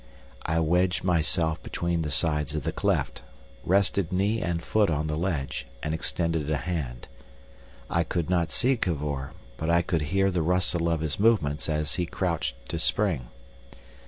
I wedged myself between the sides of the cleft, rested knee and foot on the ledge, and extended a hand. I could not see Cavor, but I could hear the rustle of his movements as he crouched to spring.